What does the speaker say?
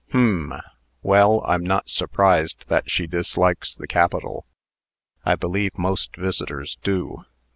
"Hum. Well, I'm not surprised that she dislikes the capital. I believe most visitors do.